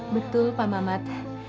betul pak mamat